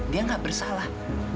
dia gak bersalah